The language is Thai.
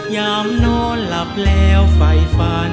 ยามนอนหลับแล้วไฟฟัน